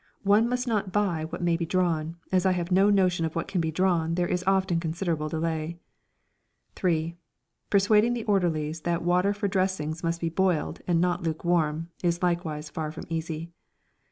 One must not buy what may be drawn; and as I have no notion of what can be drawn there is often considerable delay. 3. Persuading the orderlies that water for dressings must be boiled, and not lukewarm, is likewise far from easy.